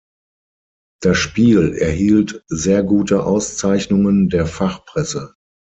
Das Spiel erhielt sehr gute Auszeichnungen der Fachpresse.